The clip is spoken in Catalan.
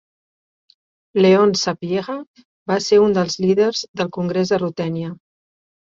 Leon Sapieha va ser un dels líders del congrés de Rutènia.